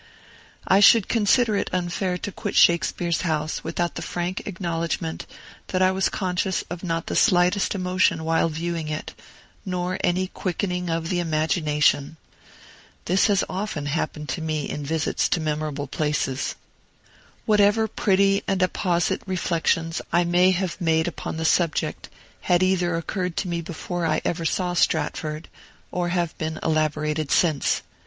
I should consider it unfair to quit Shakespeare's house without the frank acknowledgment that I was conscious of not the slightest emotion while viewing it, nor any quickening of the imagination. This has often happened to me in my visits to memorable places. Whatever pretty and apposite reflections I may have made upon the subject had either occurred to me before I ever saw Stratford, or have been elaborated since.